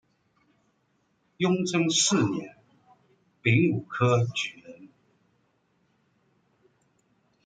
雍正四年丙午科举人。